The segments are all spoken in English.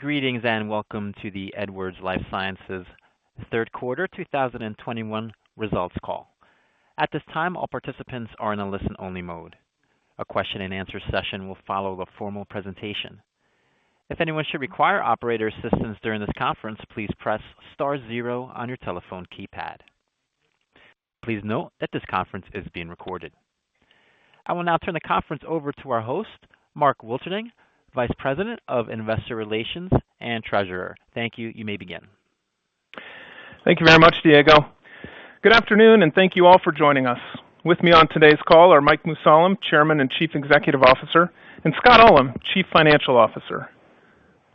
Greetings and welcome to the Edwards Lifesciences Q3 2021 Results Call. At this time, all participants are in a listen-only mode. A question-and-answer session will follow the formal presentation. If anyone should require operator assistance during this conference, please press star zero on your telephone keypad. Please note that this conference is being recorded. I will now turn the conference over to our host, Mark Wilterding, Vice President of Investor Relations and Treasurer. Thank you. You may begin. Thank you very much, Diego. Good afternoon, and thank you all for joining us. With me on today's call are Mike Mussallem, Chairman and Chief Executive Officer, and Scott Ullem, Chief Financial Officer.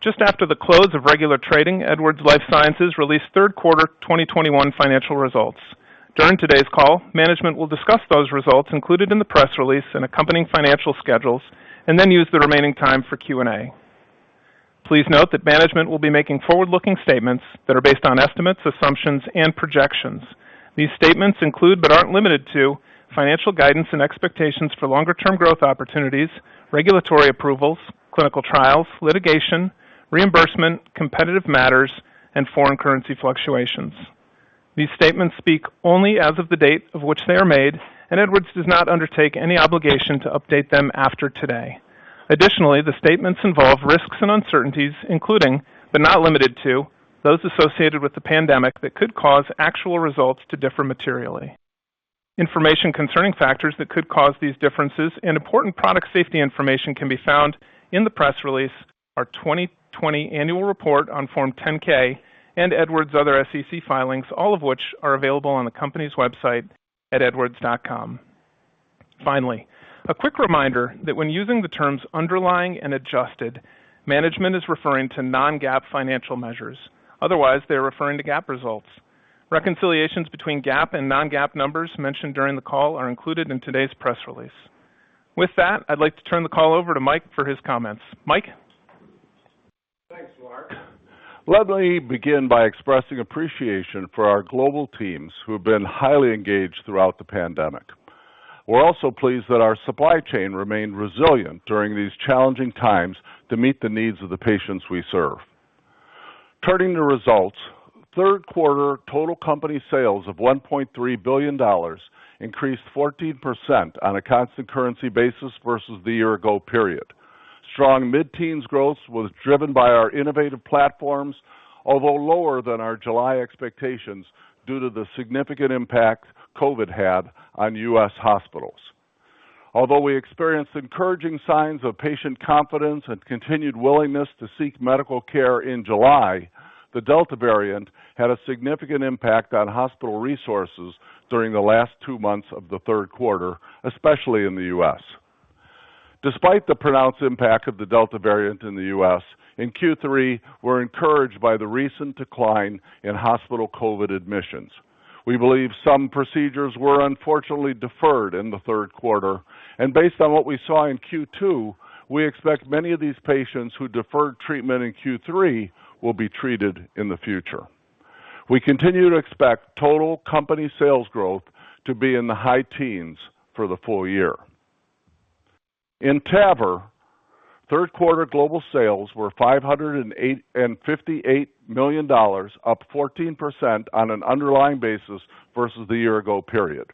Just after the close of regular trading, Edwards Lifesciences released Q3 2021 financial results. During today's call, management will discuss those results included in the press release and accompanying financial schedules, and then use the remaining time for Q&A. Please note that management will be making forward-looking statements that are based on estimates, assumptions, and projections. These statements include, but aren't limited to financial guidance and expectations for longer-term growth opportunities, regulatory approvals, clinical trials, litigation, reimbursement, competitive matters, and foreign currency fluctuations. These statements speak only as of the date on which they are made, and Edwards does not undertake any obligation to update them after today. Additionally, the statements involve risks and uncertainties, including, but not limited to, those associated with the pandemic that could cause actual results to differ materially. Information concerning factors that could cause these differences and important product safety information can be found in the press release, our 2020 Annual Report on Form 10-K, and Edwards' other SEC filings, all of which are available on the company's website at edwards.com. Finally, a quick reminder that when using the terms underlying and adjusted, management is referring to non-GAAP financial measures. Otherwise, they're referring to GAAP results. Reconciliations between GAAP and non-GAAP numbers mentioned during the call are included in today's press release. With that, I'd like to turn the call over to Mike for his comments. Mike. Thanks, Mark. Let me begin by expressing appreciation for our global teams who have been highly engaged throughout the pandemic. We're also pleased that our supply chain remained resilient during these challenging times to meet the needs of the patients we serve. Turning to results. Q3 total company sales of $1.3 billion increased 14% on a constant currency basis versus the year ago period. Strong mid-teens growth was driven by our innovative platforms, although lower than our July expectations due to the significant impact COVID had on U.S. hospitals. Although we experienced encouraging signs of patient confidence and continued willingness to seek medical care in July, the Delta variant had a significant impact on hospital resources during the last two months of the Q3, especially in the U.S. Despite the pronounced impact of the Delta variant in the U.S., in Q3 we're encouraged by the recent decline in hospital COVID admissions. We believe some procedures were unfortunately deferred in the Q3, and based on what we saw in Q2, we expect many of these patients who deferred treatment in Q3 will be treated in the future. We continue to expect total company sales growth to be in the high teens for the full year. In TAVR, Q3 global sales were $588 million, up 14% on an underlying basis versus the year ago period.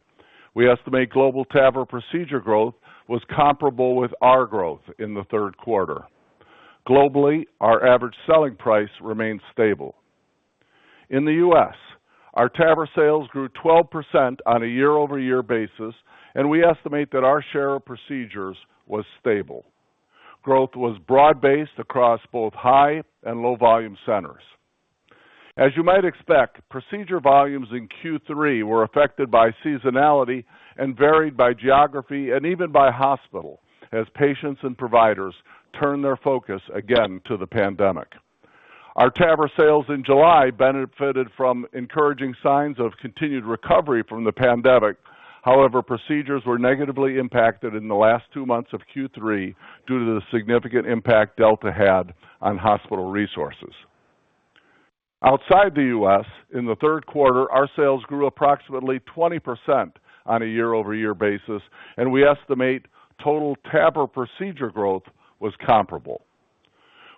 We estimate global TAVR procedure growth was comparable with our growth in the Q3. Globally, our average selling price remained stable. In the U.S., our TAVR sales grew 12% on a year-over-year basis, and we estimate that our share of procedures was stable. Growth was broad-based across both high and low volume centers. As you might expect, procedure volumes in Q3 were affected by seasonality and varied by geography and even by hospital as patients and providers turn their focus again to the pandemic. Our TAVR sales in July benefited from encouraging signs of continued recovery from the pandemic. However, procedures were negatively impacted in the last two months of Q3 due to the significant impact Delta had on hospital resources. Outside the U.S., in the Q3, our sales grew approximately 20% on a year-over-year basis, and we estimate total TAVR procedure growth was comparable.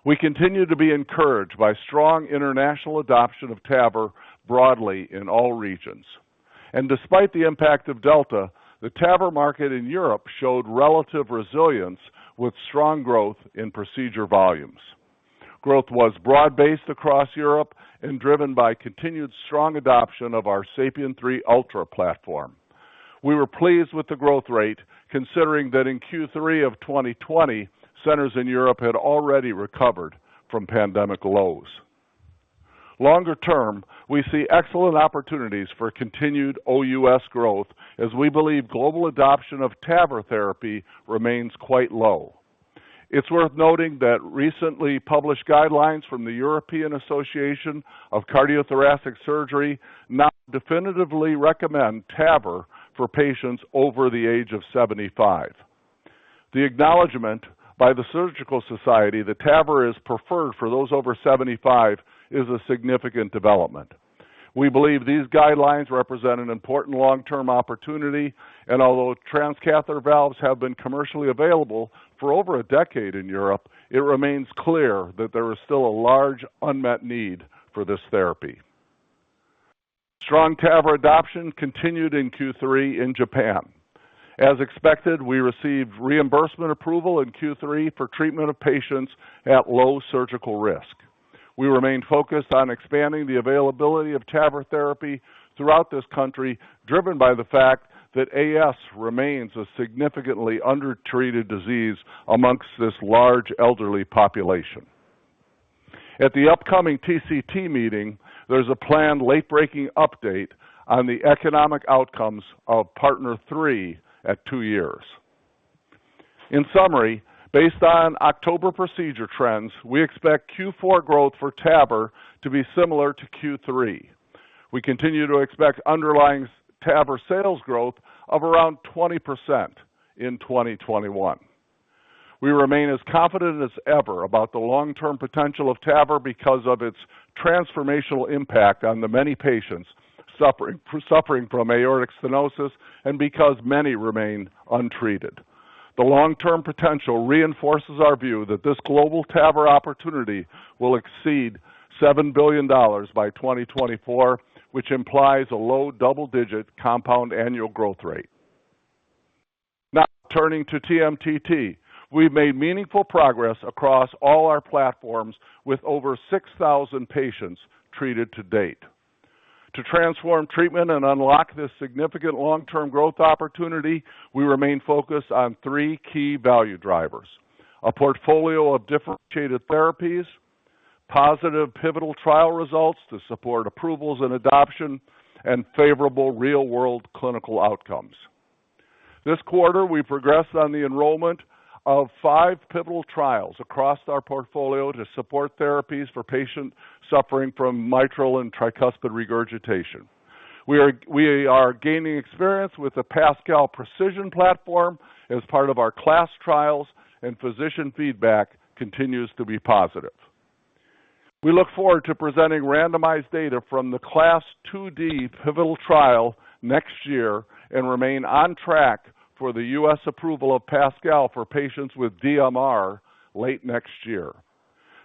We continue to be encouraged by strong international adoption of TAVR broadly in all regions. Despite the impact of Delta, the TAVR market in Europe showed relative resilience with strong growth in procedure volumes. Growth was broad-based across Europe and driven by continued strong adoption of our SAPIEN 3 Ultra platform. We were pleased with the growth rate, considering that in Q3 of 2020, centers in Europe had already recovered from pandemic lows. Longer term, we see excellent opportunities for continued OUS growth as we believe global adoption of TAVR therapy remains quite low. It's worth noting that recently published guidelines from the European Association for Cardio-Thoracic Surgery now definitively recommend TAVR for patients over the age of 75. The acknowledgment by the surgical society that TAVR is preferred for those over 75 is a significant development. We believe these guidelines represent an important long-term opportunity, and although transcatheter valves have been commercially available for over a decade in Europe, it remains clear that there is still a large unmet need for this therapy. Strong TAVR adoption continued in Q3 in Japan. As expected, we received reimbursement approval in Q3 for treatment of patients at low surgical risk. We remain focused on expanding the availability of TAVR therapy throughout this country, driven by the fact that AS remains a significantly undertreated disease amongst this large elderly population. At the upcoming TCT meeting, there's a planned late-breaking update on the economic outcomes of PARTNER 3 at 2 years. In summary, based on October procedure trends, we expect Q4 growth for TAVR to be similar to Q3. We continue to expect underlying TAVR sales growth of around 20% in 2021. We remain as confident as ever about the long-term potential of TAVR because of its transformational impact on the many patients suffering from aortic stenosis and because many remain untreated. The long-term potential reinforces our view that this global TAVR opportunity will exceed $7 billion by 2024, which implies a low double-digit compound annual growth rate. Now turning to TMTT. We've made meaningful progress across all our platforms with over 6,000 patients treated to date. To transform treatment and unlock this significant long-term growth opportunity, we remain focused on three key value drivers, a portfolio of differentiated therapies, positive pivotal trial results to support approvals and adoption, and favorable real-world clinical outcomes. This quarter, we progressed on the enrollment of five pivotal trials across our portfolio to support therapies for patients suffering from mitral and tricuspid regurgitation. We are gaining experience with the PASCAL Precision platform as part of our CLASP trials, and physician feedback continues to be positive. We look forward to presenting randomized data from the CLASP II D pivotal trial next year and remain on track for the U.S. approval of PASCAL for patients with DMR late next year.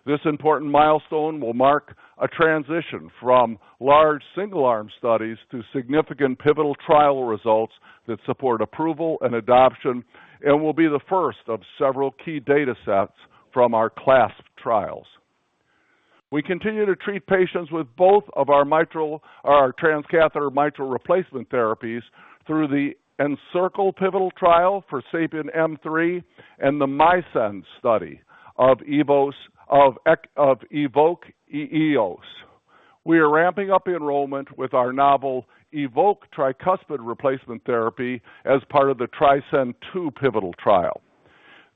This important milestone will mark a transition from large single-arm studies to significant pivotal trial results that support approval and adoption and will be the first of several key data sets from our CLASP trials. We continue to treat patients with both of our mitral or transcatheter mitral replacement therapies through the ENCIRCLE pivotal trial for SAPIEN M3 and the MISCEND study of EVOQUE Eos. We are ramping up enrollment with our novel EVOQUE tricuspid replacement therapy as part of the TRISCEND II pivotal trial.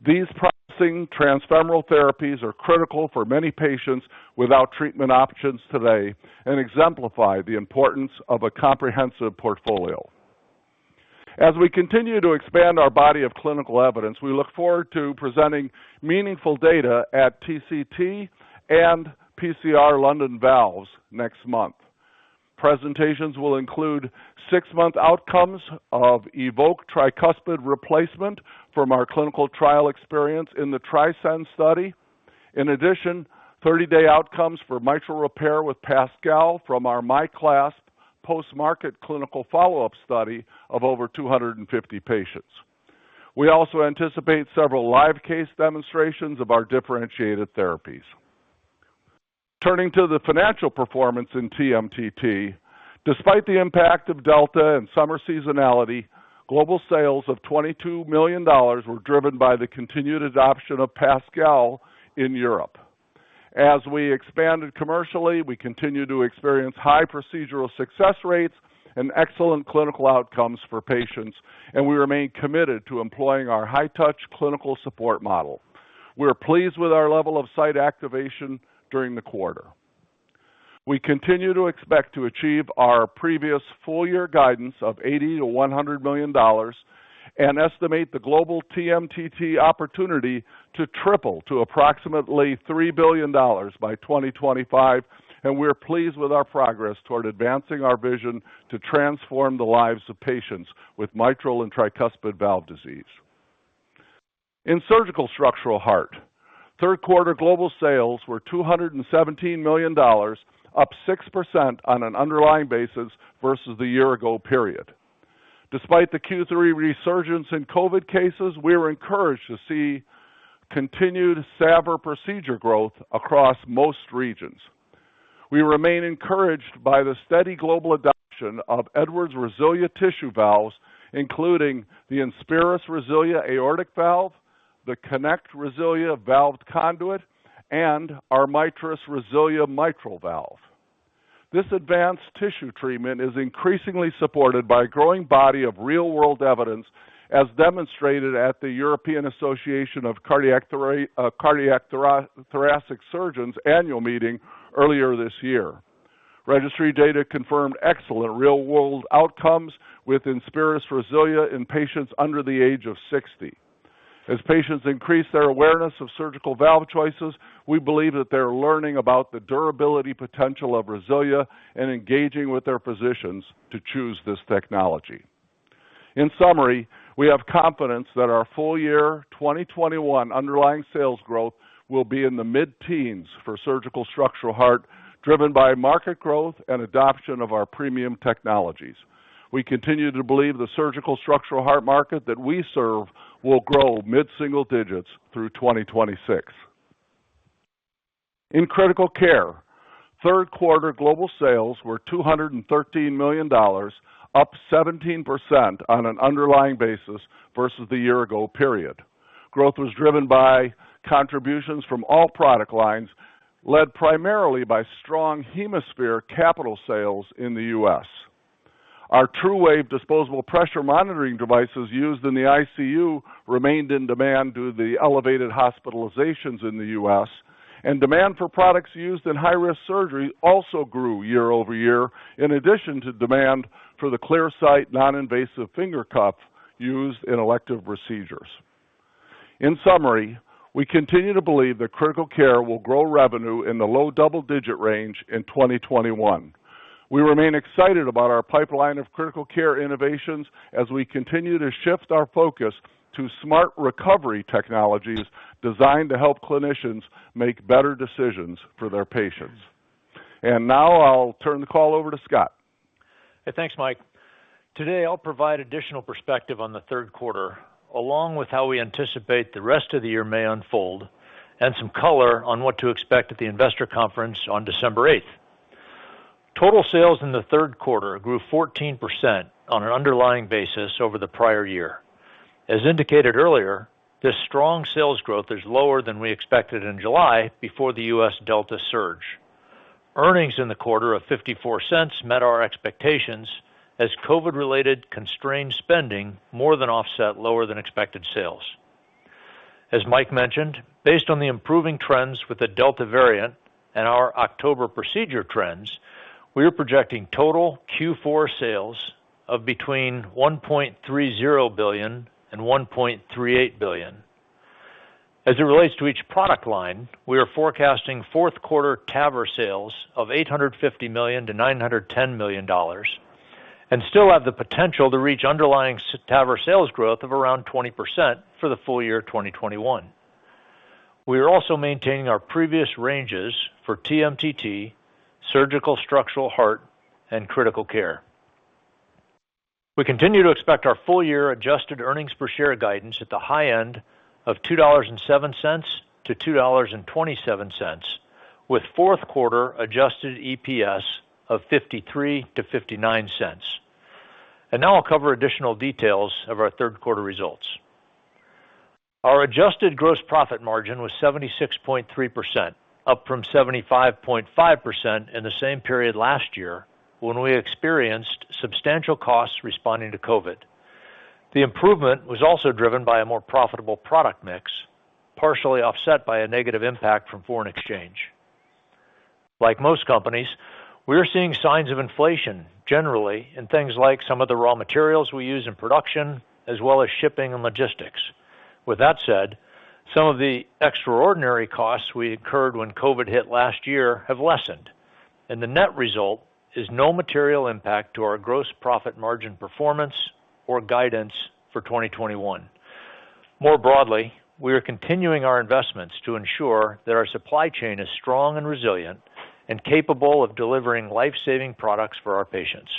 These promising transfemoral therapies are critical for many patients without treatment options today and exemplify the importance of a comprehensive portfolio. As we continue to expand our body of clinical evidence, we look forward to presenting meaningful data at TCT and PCR London Valves next month. Presentations will include six-month outcomes of EVOQUE tricuspid replacement from our clinical trial experience in the TRISCEND study. In addition, thirty-day outcomes for mitral repair with PASCAL from our MiCLASP post-market clinical follow-up study of over 250 patients. We also anticipate several live case demonstrations of our differentiated therapies. Turning to the financial performance in TMTT. Despite the impact of Delta and summer seasonality, global sales of $22 million were driven by the continued adoption of PASCAL in Europe. As we expanded commercially, we continue to experience high procedural success rates and excellent clinical outcomes for patients, and we remain committed to employing our high-touch clinical support model. We are pleased with our level of site activation during the quarter. We continue to expect to achieve our previous full-year guidance of $80 million-$100 million and estimate the global TMTT opportunity to triple to approximately $3 billion by 2025. We are pleased with our progress toward advancing our vision to transform the lives of patients with mitral and tricuspid valve disease. In surgical structural heart, Q3 global sales were $217 million, up 6% on an underlying basis versus the year-ago period. Despite the Q3 resurgence in COVID cases, we were encouraged to see continued SAVR procedure growth across most regions. We remain encouraged by the steady global adoption of Edwards' RESILIA tissue valves, including the INSPIRIS RESILIA aortic valve, the KONECT RESILIA valved conduit, and our MITRIS RESILIA mitral valve. This advanced tissue treatment is increasingly supported by a growing body of real-world evidence as demonstrated at the European Association for Cardio-Thoracic Surgery annual meeting earlier this year. Registry data confirmed excellent real-world outcomes with INSPIRIS RESILIA in patients under the age of 60. As patients increase their awareness of surgical valve choices, we believe that they're learning about the durability potential of RESILIA and engaging with their physicians to choose this technology. In summary, we have confidence that our full year 2021 underlying sales growth will be in the mid-teens for surgical structural heart, driven by market growth and adoption of our premium technologies. We continue to believe the surgical structural heart market that we serve will grow mid-single digits through 2026. In critical care, Q3 global sales were $213 million, up 17% on an underlying basis versus the year-ago period. Growth was driven by contributions from all product lines, led primarily by strong HemoSphere capital sales in the U.S. Our TruWave disposable pressure monitoring devices used in the ICU remained in demand due to the elevated hospitalizations in the U.S. Demand for products used in high-risk surgery also grew year-over-year, in addition to demand for the ClearSight non-invasive finger cuff used in elective procedures. In summary, we continue to believe that critical care will grow revenue in the low double-digit range in 2021. We remain excited about our pipeline of critical care innovations as we continue to shift our focus to smart recovery technologies designed to help clinicians make better decisions for their patients. Now I'll turn the call over to Scott. Hey. Thanks, Mike. Today, I'll provide additional perspective on the Q3, along with how we anticipate the rest of the year may unfold and some color on what to expect at the investor conference on December eighth. Total sales in the Q3 grew 14% on an underlying basis over the prior year. As indicated earlier, this strong sales growth is lower than we expected in July before the U.S. Delta surge. Earnings in the quarter of $0.54 met our expectations as COVID-related constrained spending more than offset lower than expected sales. As Mike mentioned, based on the improving trends with the Delta variant and our October procedure trends, we are projecting total Q4 sales of between $1.30 billion and $1.38 billion. As it relates to each product line, we are forecasting Q4 TAVR sales of $850 million-$910 million and still have the potential to reach underlying TAVR sales growth of around 20% for the full year of 2021. We are also maintaining our previous ranges for TMTT, surgical structural heart, and critical care. We continue to expect our full year adjusted earnings per share guidance at the high end of $2.07-$2.27, with Q4 adjusted EPS of $0.53-$0.59. Now I'll cover additional details of our Q3 results. Our adjusted gross profit margin was 76.3%, up from 75.5% in the same period last year when we experienced substantial costs responding to COVID. The improvement was also driven by a more profitable product mix, partially offset by a negative impact from foreign exchange. Like most companies, we are seeing signs of inflation generally in things like some of the raw materials we use in production as well as shipping and logistics. With that said, some of the extraordinary costs we incurred when COVID hit last year have lessened, and the net result is no material impact to our gross profit margin performance or guidance for 2021. More broadly, we are continuing our investments to ensure that our supply chain is strong and resilient and capable of delivering life-saving products for our patients.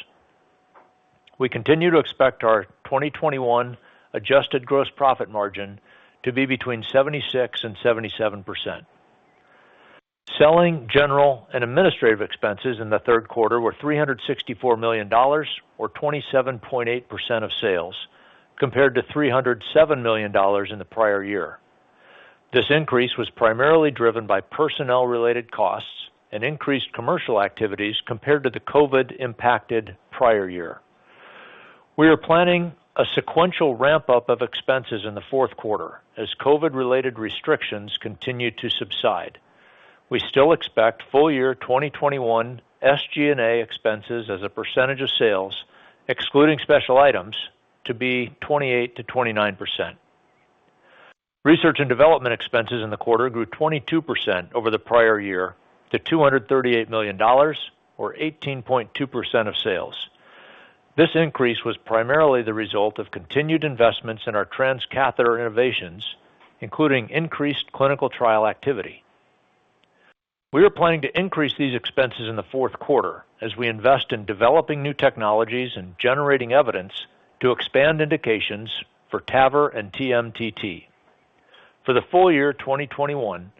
We continue to expect our 2021 adjusted gross profit margin to be between 76% and 77%. Selling, general, and administrative expenses in the Q3 were $364 million or 27.8% of sales, compared to $307 million in the prior year. This increase was primarily driven by personnel-related costs and increased commercial activities compared to the COVID-impacted prior year. We are planning a sequential ramp-up of expenses in the Q4 as COVID-related restrictions continue to subside. We still expect full-year 2021 SG&A expenses as a percentage of sales, excluding special items, to be 28%-29%. Research and development expenses in the quarter grew 22% over the prior year to $238 million or 18.2% of sales. This increase was primarily the result of continued investments in our transcatheter innovations, including increased clinical trial activity. We are planning to increase these expenses in the Q4 as we invest in developing new technologies and generating evidence to expand indications for TAVR and TMTT. For the full year 2021,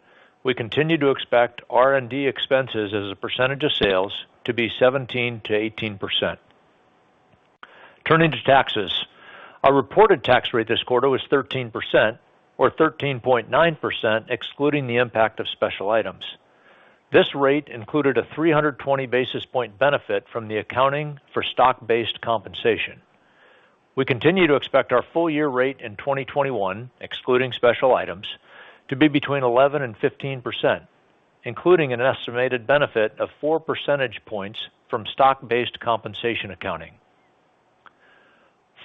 we continue to expect R&D expenses as a percentage of sales to be 17%-18%. Turning to taxes. Our reported tax rate this quarter was 13% or 13.9% excluding the impact of special items. This rate included a 320 basis point benefit from the accounting for stock-based compensation. We continue to expect our full year rate in 2021, excluding special items, to be between 11% and 15%, including an estimated benefit of 4 percentage points from stock-based compensation accounting.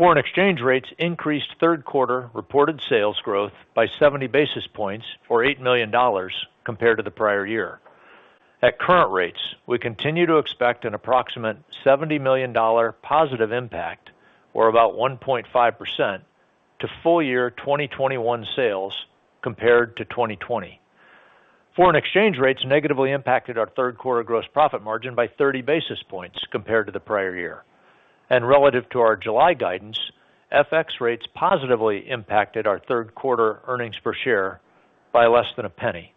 Foreign exchange rates increased Q3 reported sales growth by 70 basis points or $8 million compared to the prior year. At current rates, we continue to expect an approximate $70 million positive impact, or about 1.5% to full-year 2021 sales compared to 2020. Foreign exchange rates negatively impacted our Q3 gross profit margin by 30 basis points compared to the prior year. Relative to our July guidance, FX rates positively impacted our Q3 earnings per share by less than a penny.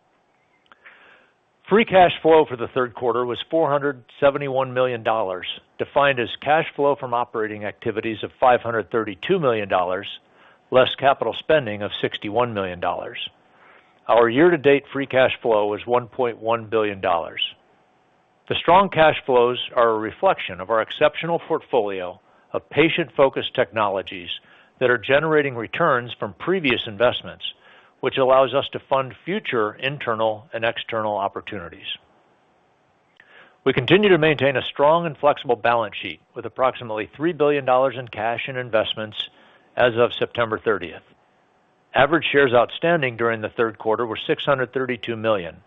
Free cash flow for the Q3 was $471 million, defined as cash flow from operating activities of $532 million, less capital spending of $61 million. Our year-to-date free cash flow is $1.1 billion. The strong cash flows are a reflection of our exceptional portfolio of patient-focused technologies that are generating returns from previous investments, which allows us to fund future internal and external opportunities. We continue to maintain a strong and flexible balance sheet with approximately $3 billion in cash and investments as of September 30. Average shares outstanding during the Q3 were 632 million,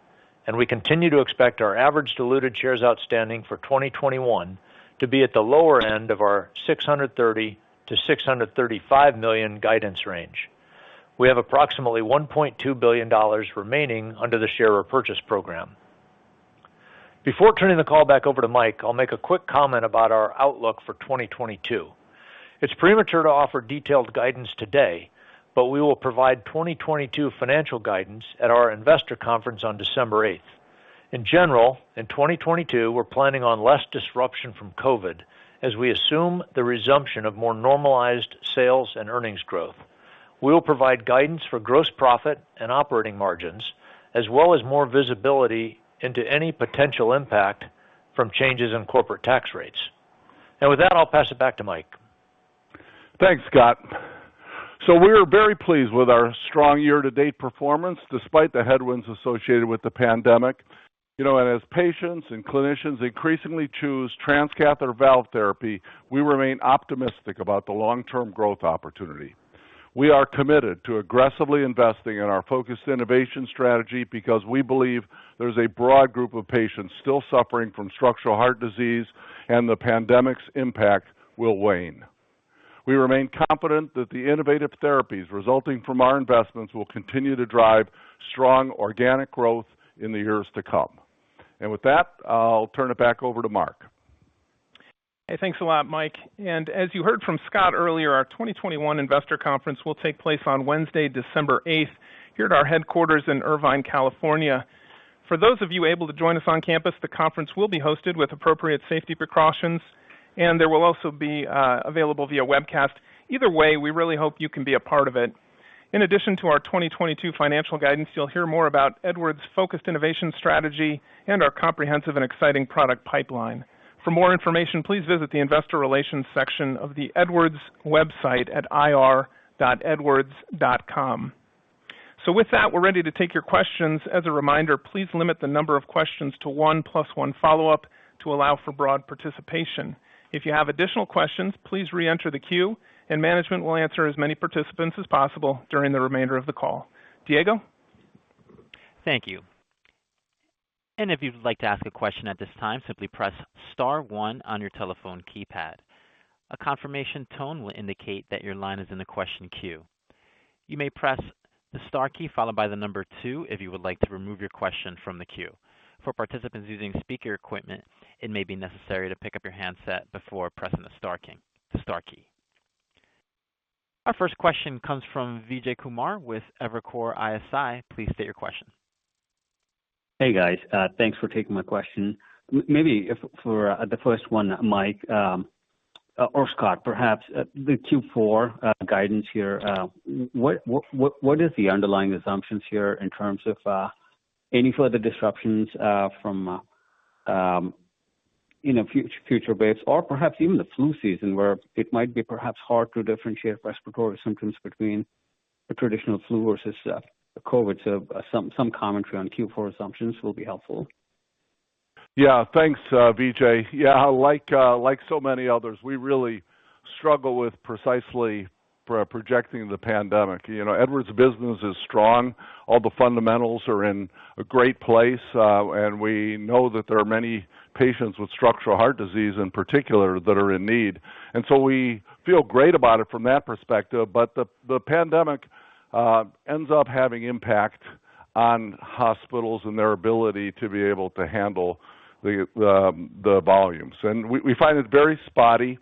and we continue to expect our average diluted shares outstanding for 2021 to be at the lower end of our 630- to 635-million guidance range. We have approximately $1.2 billion remaining under the share repurchase program. Before turning the call back over to Mike, I'll make a quick comment about our outlook for 2022. It's premature to offer detailed guidance today, but we will provide 2022 financial guidance at our investor conference on December 8. In general, in 2022, we're planning on less disruption from COVID, as we assume the resumption of more normalized sales and earnings growth. We will provide guidance for gross profit and operating margins, as well as more visibility into any potential impact from changes in corporate tax rates. With that, I'll pass it back to Mike. Thanks, Scott. We are very pleased with our strong year-to-date performance, despite the headwinds associated with the pandemic. You know, as patients and clinicians increasingly choose transcatheter valve therapy, we remain optimistic about the long-term growth opportunity. We are committed to aggressively investing in our focused innovation strategy because we believe there's a broad group of patients still suffering from structural heart disease, and the pandemic's impact will wane. We remain confident that the innovative therapies resulting from our investments will continue to drive strong organic growth in the years to come. With that, I'll turn it back over to Mark. Hey, thanks a lot, Mike. As you heard from Scott earlier, our 2021 investor conference will take place on Wednesday, December eighth, here at our headquarters in Irvine, California. For those of you able to join us on campus, the conference will be hosted with appropriate safety precautions, and there will also be available via webcast. Either way, we really hope you can be a part of it. In addition to our 2022 financial guidance, you'll hear more about Edwards focused innovation strategy and our comprehensive and exciting product pipeline. For more information, please visit the investor relations section of the Edwards website at ir.edwards.com. With that, we're ready to take your questions. As a reminder, please limit the number of questions to one plus one follow-up to allow for broad participation. If you have additional questions, please re-enter the queue and management will answer as many participants as possible during the remainder of the call. Diego? Thank you. If you'd like to ask a question at this time, simply press star one on your telephone keypad. A confirmation tone will indicate that your line is in the question queue. You may press the star key followed by the number two if you would like to remove your question from the queue. For participants using speaker equipment, it may be necessary to pick up your handset before pressing the star key. Our first question comes from Vijay Kumar with Evercore ISI. Please state your question. Hey, guys. Thanks for taking my question. Maybe for the first one, Mike, or Scott, perhaps, the Q4 guidance here, what is the underlying assumptions here in terms of any further disruptions from you know, future base or perhaps even the flu season where it might be perhaps hard to differentiate respiratory symptoms between the traditional flu versus the COVID? Some commentary on Q4 assumptions will be helpful. Yeah. Thanks, Vijay. Yeah, like so many others, we really struggle with precisely projecting the pandemic. You know, Edwards business is strong. All the fundamentals are in a great place, and we know that there are many patients with structural heart disease in particular that are in need. We feel great about it from that perspective, but the pandemic ends up having impact on hospitals and their ability to handle the volumes. We find it very spotty.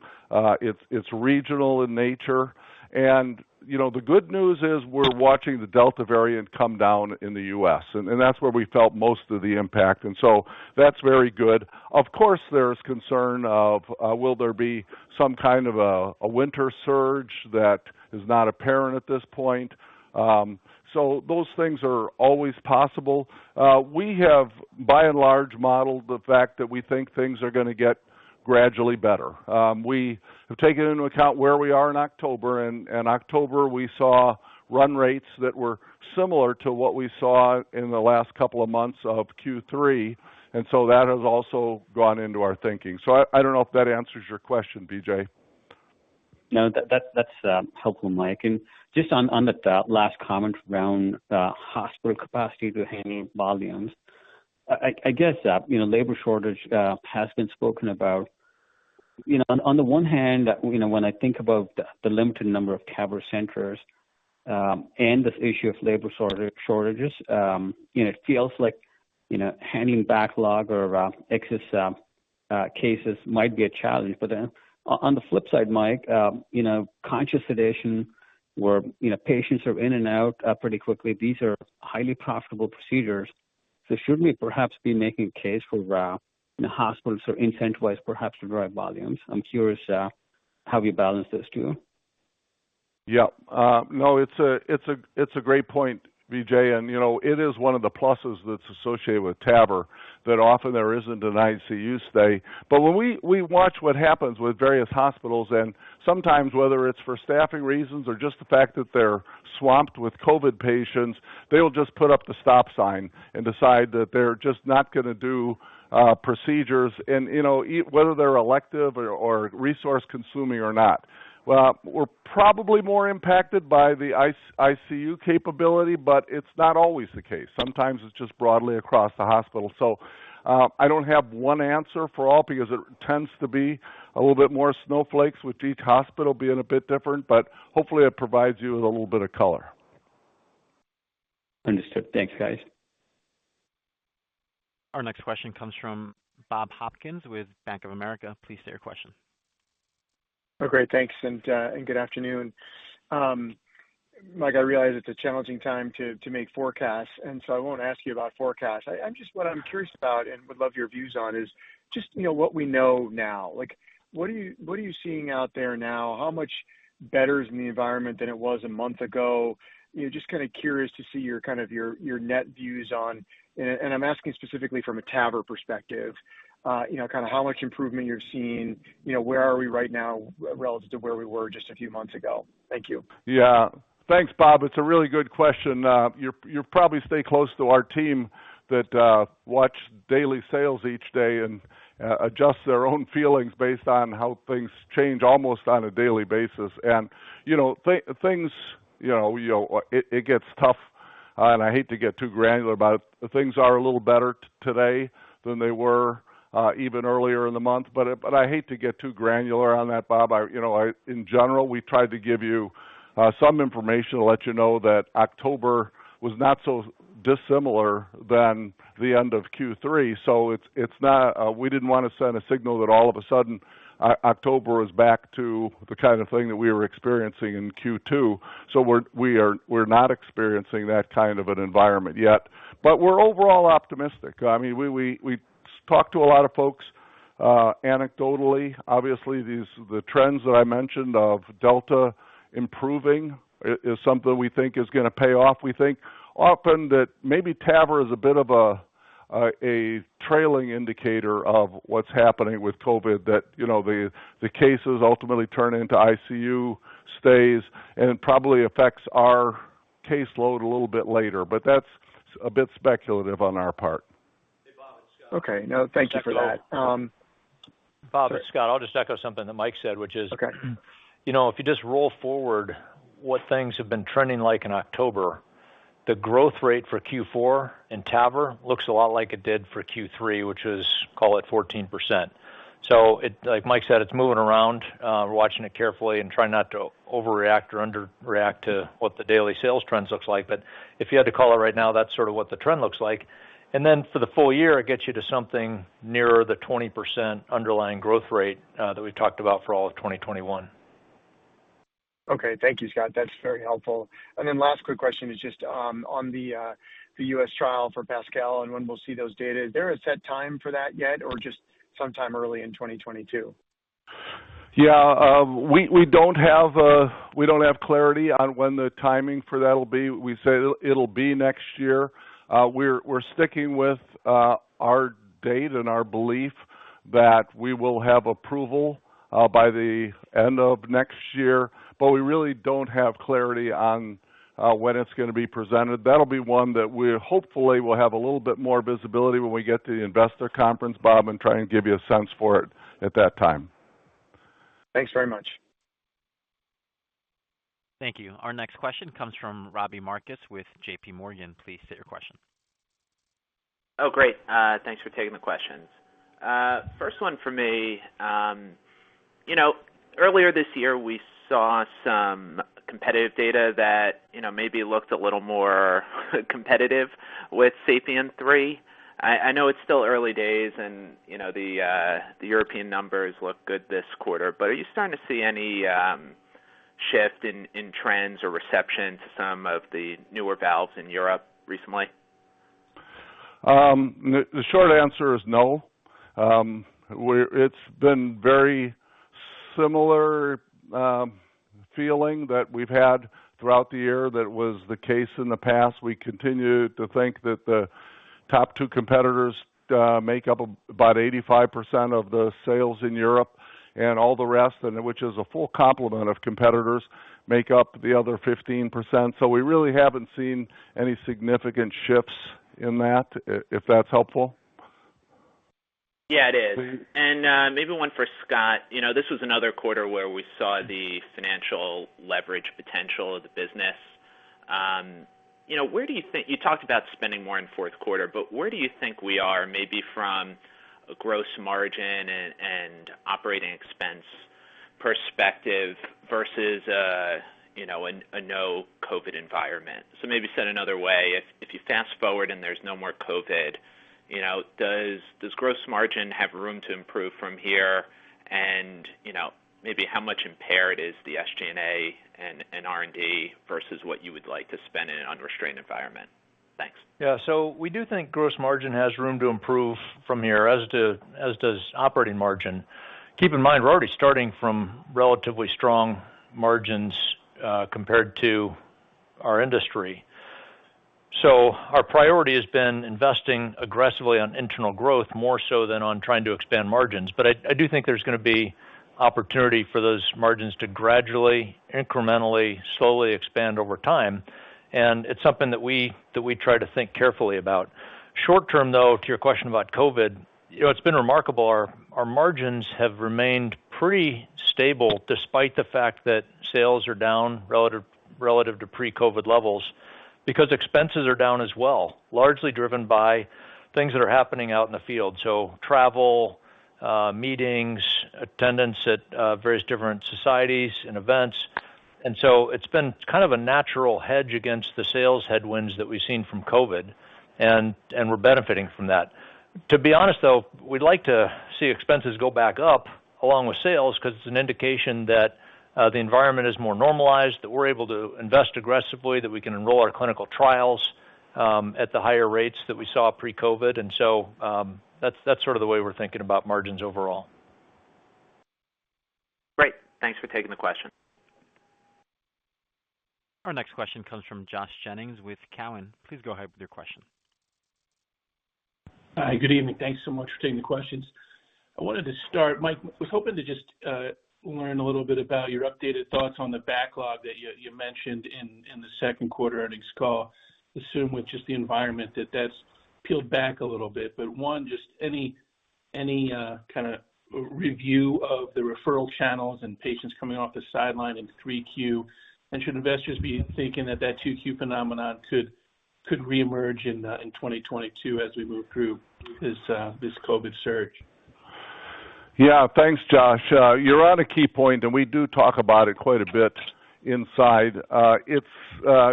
It's regional in nature. You know, the good news is we're watching the Delta variant come down in the U.S., and that's where we felt most of the impact. That's very good. Of course, there's concern of will there be some a winter surge that is not apparent at this point? Those things are always possible. We have, by and large, modeled the fact that we think things are going to get gradually better. We have taken into account where we are in October. In October, we saw run rates that were similar to what we saw in the last couple of months of Q3, and so that has also gone into our thinking. I don't know if that answers your question, Vijay. No, that's helpful, Mike. Just on the last comment around hospital capacity to handling volumes. I guess you know, labor shortage has been spoken about. You know, on the one hand, you know, when I think about the limited number of TAVR centers, and this issue of labor shortages, you know, it feels like, you know, handling backlog or excess cases might be a challenge. On the flip side, Mike, you know, conscious sedation where, you know, patients are in and out pretty quickly, these are highly profitable procedures. Should we perhaps be making a case for, you know, hospitals are incentivized perhaps to drive volumes? I'm curious how we balance those two. Yeah. No, it's a great point, Vijay. You know, it is one of the pluses that's associated with TAVR that often there isn't an ICU stay. When we watch what happens with various hospitals, and sometimes whether it's for staffing reasons or just the fact that they're swamped with COVID patients, they'll just put up the stop sign and decide that they're just not going to do procedures and, you know, whether they're elective or resource-consuming or not. Well, we're probably more impacted by the ICU capability, but it's not always the case. Sometimes it's just broadly across the hospital. I don't have one answer for all because it tends to be a little bit more snowflakey with each hospital being a bit different, but hopefully it provides you with a little bit of color. Understood. Thanks, guys. Our next question comes from Bob Hopkins with Bank of America. Please state your question. Oh, great. Thanks, and good afternoon. Mike, I realize it's a challenging time to make forecasts, and so I won't ask you about forecasts. I'm just what I'm curious about and would love your views on is just, you know, what we know now. Like, what are you seeing out there now? How much better is the environment than it was a month ago? You know, just curious to see your net views on. I'm asking specifically from a TAVR perspective. You know, how much improvement you're seeing. You know, where are we right now relative to where we were just a few months ago? Thank you. Yeah. Thanks, Bob. It's a really good question. You probably stay close to our team that watch daily sales each day and adjust their own feelings based on how things change almost on a daily basis. It gets tough, and I hate to get too granular, but things are a little better today than they were even earlier in the month. I hate to get too granular on that, Bob. In general, we try to give you some information to let you know that October was not so dissimilar than the end of Q3. It's not. We didn't want to send a signal that all of a sudden October was back to the thing that we were experiencing in Q2. We're not experiencing that an environment yet. We're overall optimistic. I mean, we talk to a lot of folks anecdotally. Obviously, these trends that I mentioned of Delta improving is something we think is going to pay off. We think often that maybe TAVR is a bit of a trailing indicator of what's happening with COVID, that you know, the cases ultimately turn into ICU stays, and it probably affects our caseload a little bit later. That's a bit speculative on our part. Okay. No, thank you for that. Bob, it's Scott. I'll just echo something that Mike said, which is. Okay. You know, if you just roll forward what things have been trending like in October, the growth rate for Q4 and TAVR looks a lot like it did for Q3, which is, call it 14%. Like Mike said, it's moving around. We're watching it carefully and trying not to overreact or under-react to what the daily sales trends looks like. If you had to call it right now, that's what the trend looks like. For the full year, it gets you to something nearer the 20% underlying growth rate, that we've talked about for all of 2021. Okay. Thank you, Scott. That's very helpful. Last quick question is just on the U.S. trial for PASCAL and when we'll see those data. Is there a set time for that yet or just sometime early in 2022? Yeah. We don't have clarity on when the timing for that'll be. We say it'll be next year. We're sticking with our date and our belief that we will have approval by the end of next year, but we really don't have clarity on when it's going to be presented. That'll be one that we hopefully will have a little bit more visibility when we get to the investor conference, Bob, and try and give you a sense for it at that time. Thanks very much. Thank you. Our next question comes from Robbie Marcus with JPMorgan. Please state your question. Oh, great. Thanks for taking the questions. First one for me. You know, earlier this year, we saw some competitive data that, you know, maybe looked a little more competitive with SAPIEN 3. I know it's still early days and, you know, the European numbers look good this quarter. Are you starting to see any shift in trends or reception to some of the newer valves in Europe recently? The short answer is no. It's been very similar feeling that we've had throughout the year. That was the case in the past. We continue to think that the top two competitors make up about 85% of the sales in Europe, and all the rest, which is a full complement of competitors, make up the other 15%. We really haven't seen any significant shifts in that, if that's helpful. Yeah, it is. Maybe one for Scott. You know, this was another quarter where we saw the financial leverage potential of the business. You know, where do you think you talked about spending more in Q4, but where do you think we are maybe from a gross margin and operating expense perspective versus a you know, a no-COVID environment? Maybe said another way, if you fast-forward and there's no more COVID, you know, does gross margin have room to improve from here? You know, maybe how much impaired is the SG&A and R&D versus what you would like to spend in an unrestrained environment? Thanks. Yeah. We do think gross margin has room to improve from here, as does operating margin. Keep in mind, we're already starting from relatively strong margins compared to our industry. Our priority has been investing aggressively on internal growth, more so than on trying to expand margins. I do think there's going to be opportunity for those margins to gradually, incrementally, slowly expand over time. It's something that we try to think carefully about. Short-term, though, to your question about COVID, you know, it's been remarkable. Our margins have remained pretty stable despite the fact that sales are down relative to pre-COVID levels because expenses are down as well, largely driven by things that are happening out in the field. Travel, meetings, attendance at various different societies and events. It's been a natural hedge against the sales headwinds that we've seen from COVID, and we're benefiting from that. To be honest, though, we'd like to see expenses go back up along with sales because it's an indication that the environment is more normalized, that we're able to invest aggressively, that we can enroll our clinical trials at the higher rates that we saw pre-COVID. That's the way we're thinking about margins overall. Great. Thanks for taking the question. Our next question comes from Josh Jennings with Cowen. Please go ahead with your question. Hi. Good evening. Thanks so much for taking the questions. I wanted to start, Mike, was hoping to just learn a little bit about your updated thoughts on the backlog that you mentioned in the Q2 earnings call. Assume with just the environment that that's peeled back a little bit. One, just any re-review of the referral channels and patients coming off the sideline in 3Q. Should investors be thinking that 2Q phenomenon could reemerge in 2022 as we move through this COVID surge? Yeah. Thanks, Josh. You're on a key point, and we do talk about it quite a bit inside. It's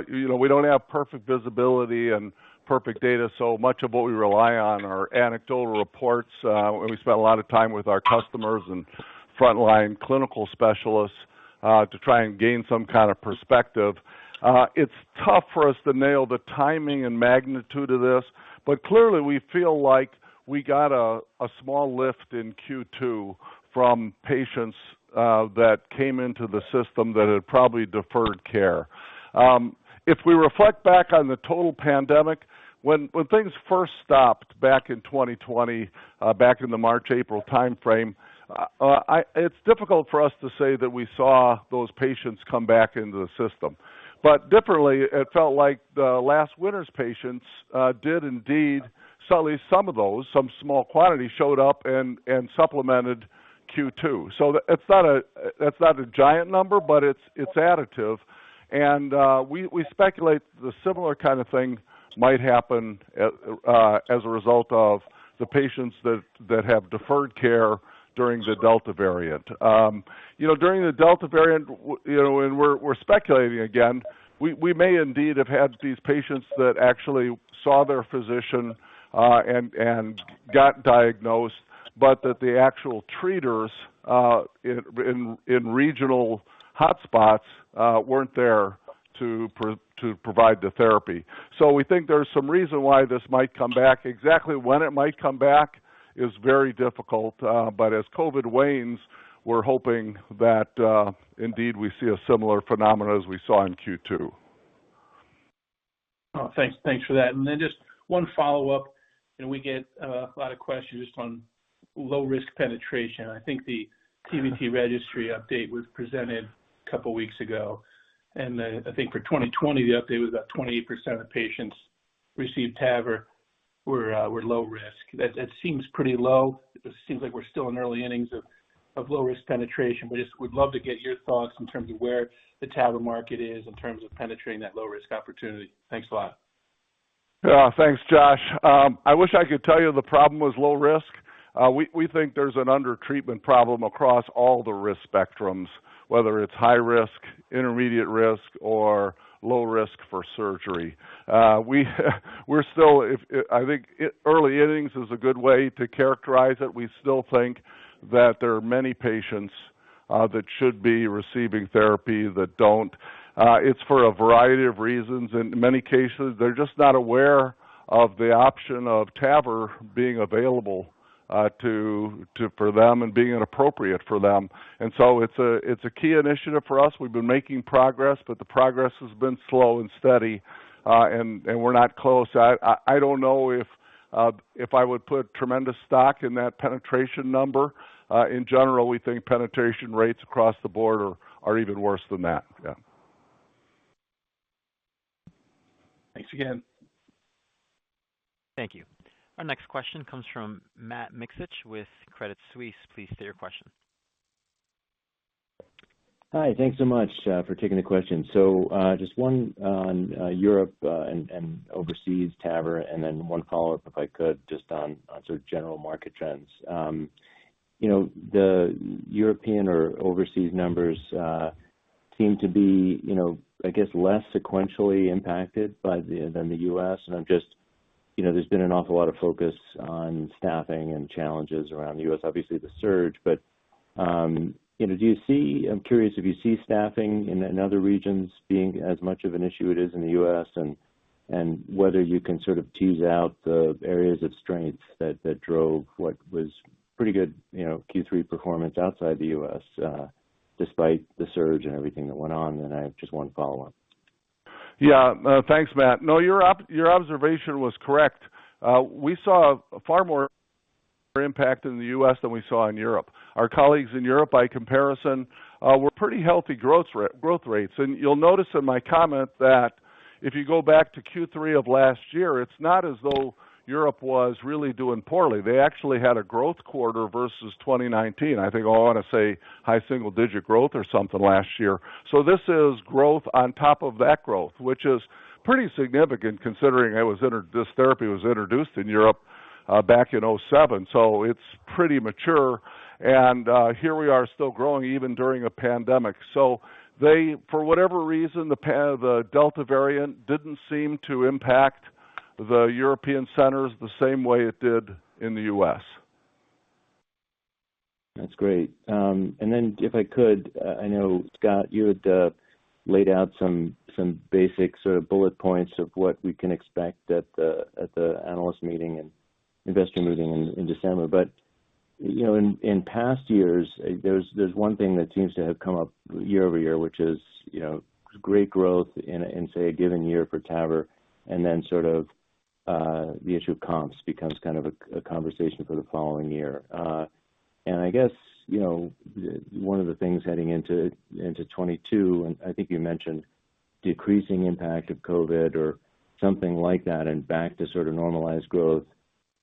you know, we don't have perfect visibility and perfect data, so much of what we rely on are anecdotal reports. We spend a lot of time with our customers and frontline clinical specialists to try and gain some perspective. It's tough for us to nail the timing and magnitude of this, but clearly, we feel like we got a small lift in Q2 from patients that came into the system that had probably deferred care. If we reflect back on the total pandemic, when things first stopped back in 2020, back in the March, April timeframe, it's difficult for us to say that we saw those patients come back into the system. Differently, it felt like the last winter's patients did indeed suddenly, some of those small quantities showed up and supplemented Q2. It's not a giant number, but it's additive. We speculate the similar thing might happen as a result of the patients that have deferred care during the Delta variant. You know, during the Delta variant, you know, when we're speculating again, we may indeed have had these patients that actually saw their physician and got diagnosed, but that the actual treaters in regional hotspots weren't there to provide the therapy. We think there's some reason why this might come back. Exactly when it might come back is very difficult. As COVID wanes, we're hoping that indeed we see a similar phenomenon as we saw in Q2. Oh, thanks. Thanks for that. Just one follow-up, and we get a lot of questions on low risk penetration. I think the TVT registry update was presented a couple weeks ago. I think for 2020, the update was about 28% of patients received TAVR were low risk. That seems pretty low. It seems like we're still in early innings of low risk penetration. Just would love to get your thoughts in terms of where the TAVR market is in terms of penetrating that low risk opportunity. Thanks a lot. Yeah. Thanks, Josh. I wish I could tell you the problem was low risk. We think there's an under-treatment problem across all the risk spectrums, whether it's high risk, intermediate risk, or low risk for surgery. We're still. I think early innings is a good way to characterize it. We still think that there are many patients that should be receiving therapy that don't. It's for a variety of reasons. In many cases, they're just not aware of the option of TAVR being available for them and being appropriate for them. It's a key initiative for us. We've been making progress, but the progress has been slow and steady, and we're not close. I don't know if I would put tremendous stock in that penetration number. In general, we think penetration rates across the board are even worse than that. Yeah. Thanks again. Thank you. Our next question comes from Matt Miksic with Credit Suisse. Please state your question. Hi. Thanks so much for taking the question. So, just one on Europe and overseas TAVR, and then one follow-up, if I could, just on general market trends. You know, the European or overseas numbers seem to be, you know, I guess less sequentially impacted than the U.S. I'm just. You know, there's been an awful lot of focus on staffing and challenges around the U.S., obviously the surge. You know, do you see. I'm curious if you see staffing in other regions being as much of an issue it is in the U.S. and whether you can tease out the areas of strength that drove what was pretty good, you know, Q3 performance outside the U.S., despite the surge and everything that went on. I have just one follow-up. Yeah. Thanks, Matt. No, your observation was correct. We saw far more impact in the U.S. than we saw in Europe. Our colleagues in Europe, by comparison, were pretty healthy growth rates. You'll notice in my comment that if you go back to Q3 of last year, it's not as though Europe was really doing poorly. They actually had a growth quarter versus 2019. I think I want to say high single digit growth or something last year. This is growth on top of that growth, which is pretty significant considering this therapy was introduced in Europe back in 2007. It's pretty mature. Here we are still growing even during a pandemic. They, for whatever reason, the Delta variant didn't seem to impact the European centers the same way it did in the U.S. That's great. Then if I could, I know, Scott, you had laid out some basic bullet points of what we can expect at the analyst meeting and investor meeting in December. You know, in past years, there's one thing that seems to have come up year-over-year, which is, you know, great growth in, say, a given year for TAVR, and then the issue of comps becomes a conversation for the following year. I guess, you know, one of the things heading into 2022, and I think you mentioned decreasing impact of COVID or something like that and back to normalized growth,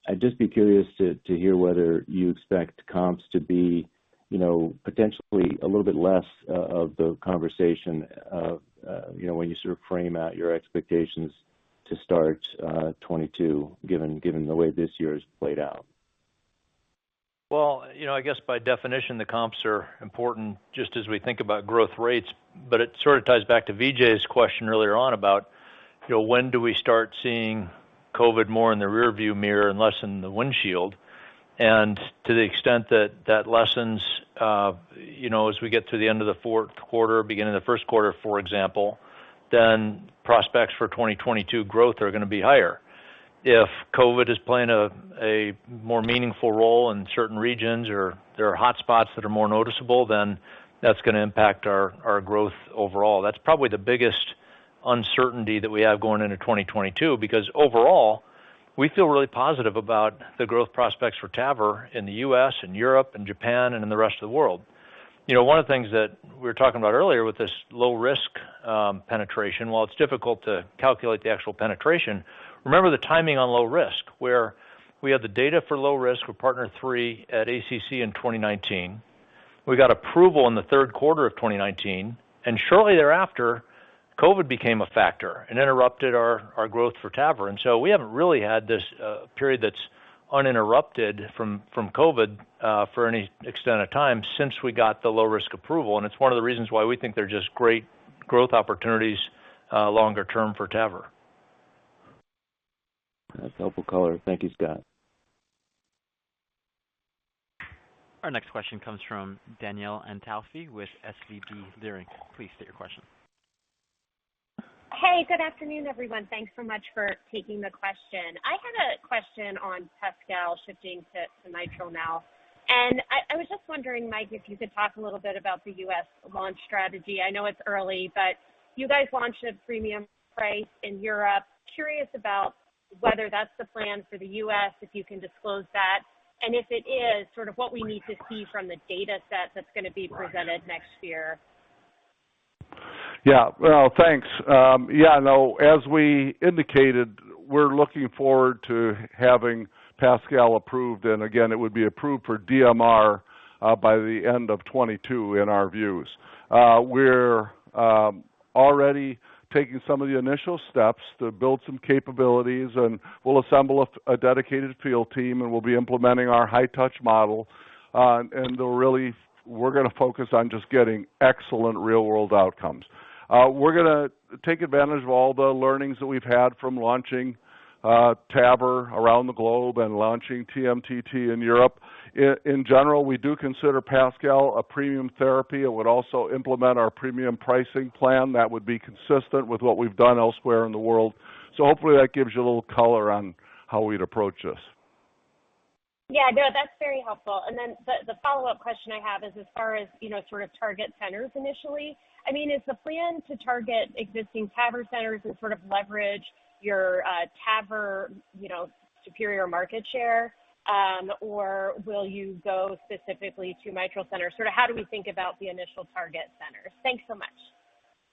I'd just be curious to hear whether you expect comps to be, you know, potentially a little bit less of the conversation, you know, when you frame out your expectations to start 2022, given the way this year has played out? Well, you know, I guess by definition, the comps are important just as we think about growth rates, but it ties back to Vijay's question earlier on about, you know, when do we start seeing COVID more in the rearview mirror and less in the windshield. To the extent that that lessens, you know, as we get to the end of the Q4, beginning of the Q1, for example, then prospects for 2022 growth are going to be higher. If COVID is playing a more meaningful role in certain regions or there are hotspots that are more noticeable, then that's going to impact our growth overall. That's probably the biggest uncertainty that we have going into 2022, because overall, we feel really positive about the growth prospects for TAVR in the U.S., in Europe, in Japan, and in the rest of the world. You know, one of the things that we were talking about earlier with this low risk penetration, while it's difficult to calculate the actual penetration, remember the timing on low risk, where we had the data for low risk with PARTNER 3 at ACC in 2019. We got approval in the Q3 of 2019. Shortly thereafter, COVID became a factor and interrupted our growth for TAVR. We haven't really had this period that's uninterrupted from COVID for any extent of time since we got the low risk approval. It's one of the reasons why we think they're just great growth opportunities, longer term for TAVR. That's helpful color. Thank you, Scott. Our next question comes from Danielle Antalffy with SVB Leerink. Please state your question. Hey, good afternoon, everyone. Thanks so much for taking the question. I had a question on PASCAL shifting to mitral now. I was just wondering, Mike, if you could talk a little bit about the U.S. launch strategy. I know it's early, but you guys launched at premium price in Europe. Curious about whether that's the plan for the U.S., if you can disclose that. If it is what we need to see from the data set that's going to be presented next year. Yeah. Well, thanks. Yeah, no, as we indicated, we're looking forward to having PASCAL approved, and again, it would be approved for DMR by the end of 2022 in our views. We're already taking some of the initial steps to build some capabilities, and we'll assemble a dedicated field team, and we'll be implementing our high touch model. We're going to focus on just getting excellent real-world outcomes. We're going to take advantage of all the learnings that we've had from launching TAVR around the globe and launching TMTT in Europe. In general, we do consider PASCAL a premium therapy. It would also implement our premium pricing plan that would be consistent with what we've done elsewhere in the world. Hopefully that gives you a little color on how we'd approach this. Yeah, no, that's very helpful. The follow-up question I have is as far as, you know, target centers initially. I mean, is the plan to target existing TAVR centers and leverage your TAVR, you know, superior market share? Or will you go specifically to mitral centers? How do we think about the initial target centers? Thanks so much.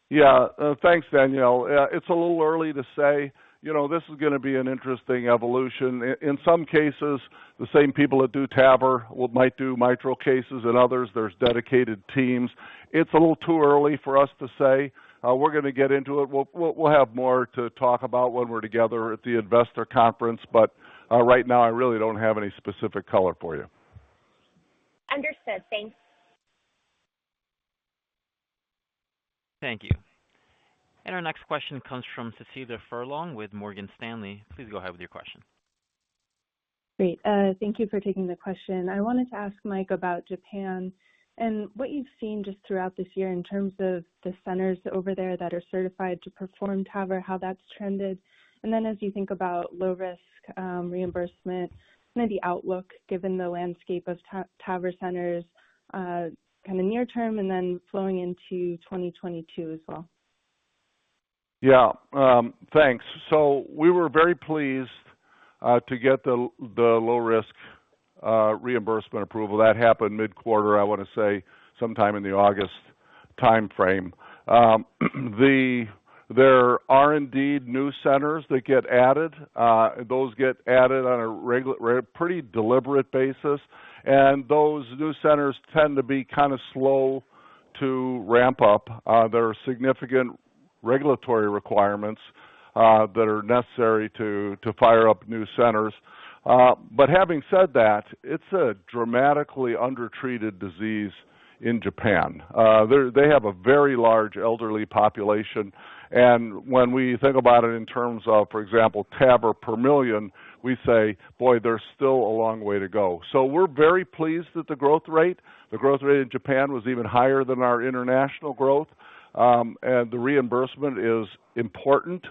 Yeah. Thanks, Danielle. It's a little early to say. You know, this is going to be an interesting evolution. In some cases, the same people that do TAVR might do mitral cases and others. There's dedicated teams. It's a little too early for us to say. We're going to get into it. We'll have more to talk about when we're together at the investor conference, but right now I really don't have any specific color for you. Understood. Thanks. Thank you. Our next question comes from Cecilia Furlong with Morgan Stanley. Please go ahead with your question. Great. Thank you for taking the question. I wanted to ask Mike about Japan and what you've seen just throughout this year in terms of the centers over there that are certified to perform TAVR, how that's trended. As you think about low risk, reimbursement, maybe outlook, given the landscape of TAVR centers, near term and then flowing into 2022 as well. Yeah. Thanks. We were very pleased to get the low risk reimbursement approval. That happened mid-quarter, I want to say sometime in the August timeframe. There are indeed new centers that get added. Those get added on a pretty deliberate basis. Those new centers tend to be slow to ramp up. There are significant regulatory requirements that are necessary to fire up new centers. Having said that, it's a dramatically undertreated disease in Japan. They have a very large elderly population. When we think about it in terms of, for example, TAVR per million, we say, "Boy, there's still a long way to go." We're very pleased with the growth rate. The growth rate in Japan was even higher than our international growth. The reimbursement is important.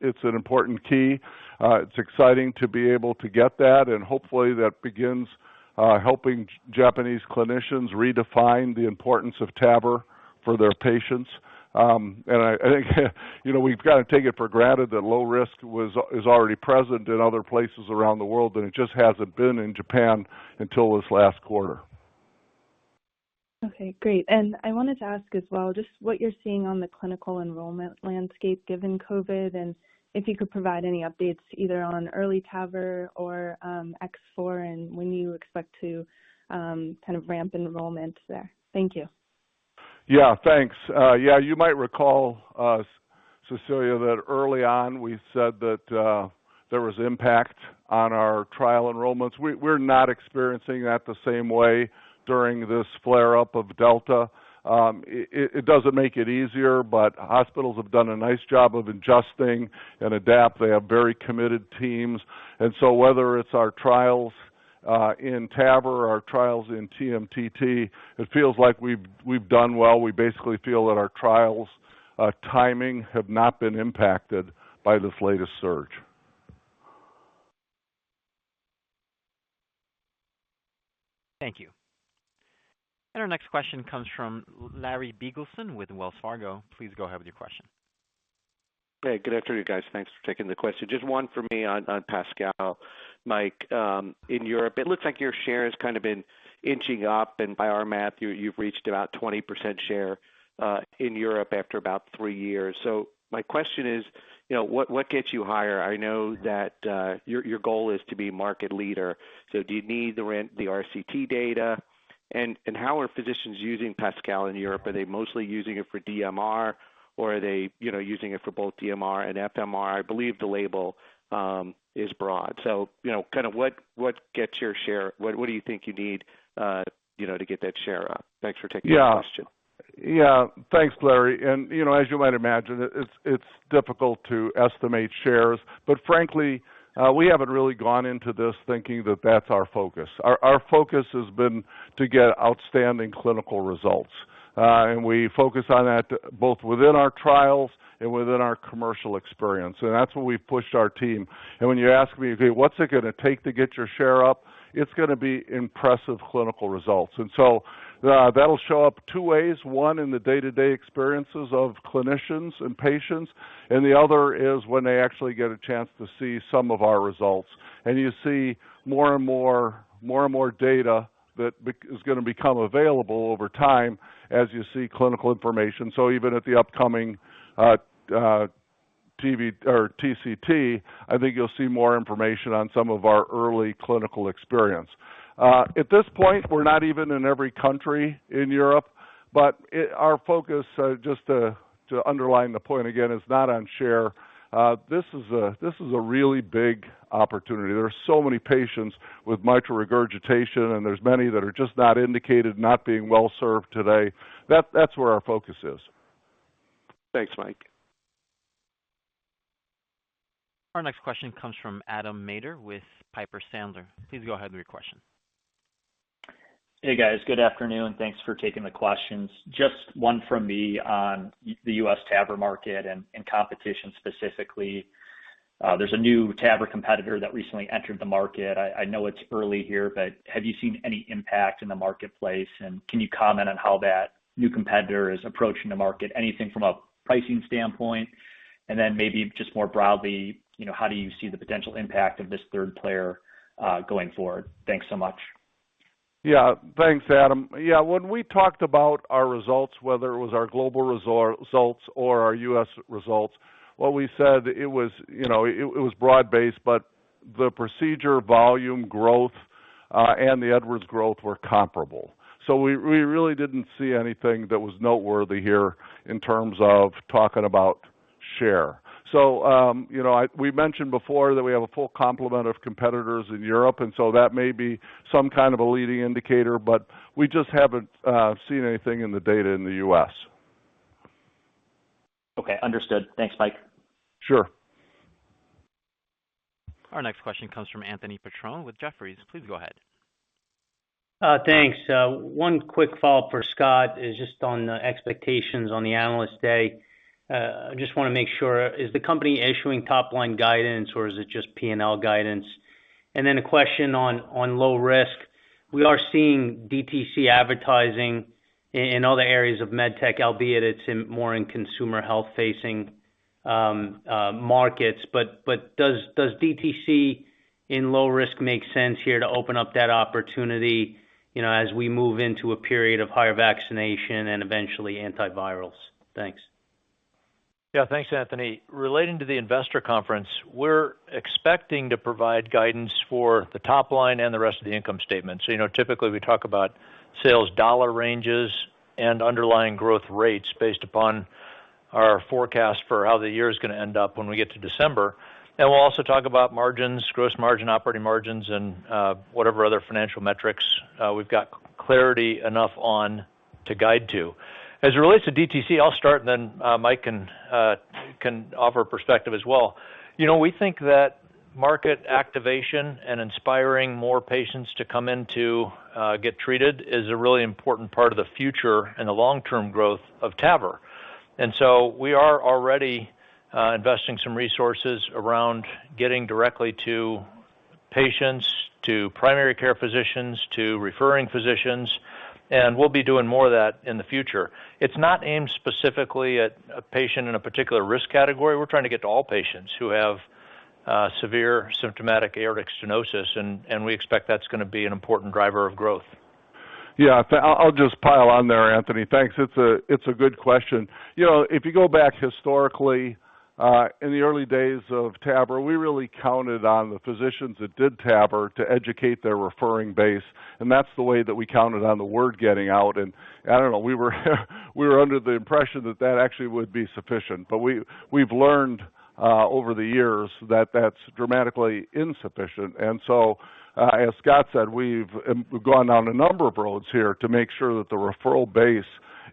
It's an important key. It's exciting to be able to get that, and hopefully that begins helping Japanese clinicians redefine the importance of TAVR for their patients. I think, you know, we've taken it for granted that low risk is already present in other places around the world, and it just hasn't been in Japan until this last quarter. Okay. Great. I wanted to ask as well just what you're seeing on the clinical enrollment landscape given COVID, and if you could provide any updates either on EARLY TAVR or EXPLORER and when you expect to ramp enrollment there. Thank you. Yeah. Thanks. Yeah, you might recall, Cecilia, that early on we said that there was impact on our trial enrollments. We're not experiencing that the same way during this flare up of Delta. It doesn't make it easier, but hospitals have done a nice job of adjusting and adapt. They have very committed teams. Whether it's our trials in TAVR or our trials in TMTT, it feels like we've done well. We basically feel that our trials timing have not been impacted by this latest surge. Thank you. Our next question comes from Larry Biegelsen with Wells Fargo. Please go ahead with your question. Hey, good afternoon, guys. Thanks for taking the question. Just one for me on PASCAL, Mike. In Europe, it looks like your share has been inching up, and by our math, you've reached about 20% share in Europe after about three years. My question is, you know, what gets you higher? I know that your goal is to be market leader. Do you need the RCT data? How are physicians using PASCAL in Europe? Are they mostly using it for DMR or are they, you know, using it for both DMR and FMR? I believe the label is broad. You know, what gets your share? What do you think you need, you know, to get that share up? Thanks for taking the question. Thanks, Larry. As you might imagine, it's difficult to estimate shares, but frankly, we haven't really gone into this thinking that that's our focus. Our focus has been to get outstanding clinical results. We focus on that both within our trials and within our commercial experience, and that's what we've pushed our team. When you ask me, okay, what's it going to take to get your share up? It's going to be impressive clinical results. That'll show up two ways. One, in the day-to-day experiences of clinicians and patients, and the other is when they actually get a chance to see some of our results. You see more and more data that is going to become available over time as you see clinical information. Even at the upcoming TVT or TCT, I think you'll see more information on some of our early clinical experience. At this point, we're not even in every country in Europe, but our focus, just to underline the point again, is not on share. This is a really big opportunity. There are so many patients with mitral regurgitation, and there's many that are just not indicated, not being well served today. That's where our focus is. Thanks, Mike. Our next question comes from Adam Maeder with Piper Sandler. Please go ahead with your question. Hey, guys. Good afternoon. Thanks for taking the questions. Just one from me on the U.S. TAVR market and competition specifically. There's a new TAVR competitor that recently entered the market. I know it's early here, but have you seen any impact in the marketplace, and can you comment on how that new competitor is approaching the market? Anything from a pricing standpoint? Then maybe just more broadly, you know, how do you see the potential impact of this third player going forward? Thanks so much. Yeah. Thanks, Adam. Yeah, when we talked about our results, whether it was our global results or our U.S. results, what we said it was, it was broad-based, but the procedure volume growth and the Edwards growth were comparable. We really didn't see anything that was noteworthy here in terms of talking about share. We mentioned before that we have a full complement of competitors in Europe, and so that may be some a leading indicator, but we just haven't seen anything in the data in the U.S. Okay. Understood. Thanks, Mike. Sure. Our next question comes from Anthony Petrone with Jefferies. Please go ahead. Thanks, one quick follow up, does DTC in low risk make sense here to open up that opportunity, you know, as we move into a period of higher vaccination and eventually antivirals? Thanks. Yeah. Thanks, Anthony. Relating to the investor conference, we're expecting to provide guidance for the top line and the rest of the income statement. You know, typically we talk about sales dollar ranges and underlying growth rates based upon our forecast for how the year is going to end up when we get to December. We'll also talk about margins, gross margin, operating margins, and whatever other financial metrics we've got clarity enough on to guide to. As it relates to DTC, I'll start and then Mike can offer perspective as well. You know, we think that market activation and inspiring more patients to come in to get treated is a really important part of the future and the long-term growth of TAVR. We are already investing some resources around getting directly to patients, to primary care physicians, to referring physicians, and we'll be doing more of that in the future. It's not aimed specifically at a patient in a particular risk category. We're trying to get to all patients who have severe symptomatic aortic stenosis, and we expect that's going to be an important driver of growth. Yeah. I'll just pile on there, Anthony. Thanks. It's a good question. You know, if you go back historically, in the early days of TAVR, we really counted on the physicians that did TAVR to educate their referring base, and that's the way that we counted on the word getting out. I don't know, we were under the impression that that actually would be sufficient. We've learned over the years that that's dramatically insufficient. As Scott said, we've gone down a number of roads here to make sure that the referral base